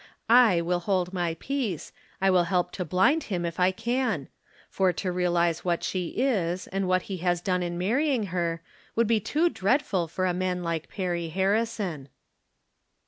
I will hold my peace ; I will help to blind him if I can ; for to realize what she is, and what he has done in marrying her, would be too dreadful for a man like Perry Harrison.